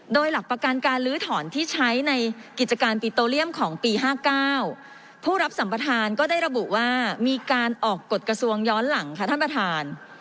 โดยหลักประกันการลื้อถอนที่ใช้ในกิจการปิโตเลียมของปี๕๙ผู้รับสัมประธานก็ได้ระบุว่ามีการออกกฎกระทรวงย้อนหลังค่ะท่านประธาน